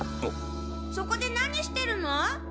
そこで何してるの？